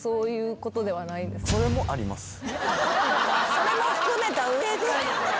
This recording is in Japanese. それも含めた上で。